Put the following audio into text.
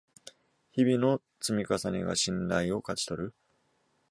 日々の積み重ねが信頼を勝ち取る